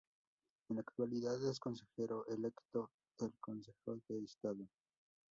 En la actualidad es Consejero electo del Consejo de Estado.